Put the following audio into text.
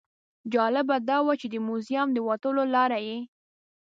جالبه دا وه چې د موزیم د وتلو لاره یې.